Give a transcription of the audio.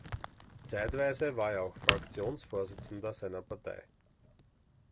Zeitweise war er auch Fraktionsvorsitzender seiner Partei.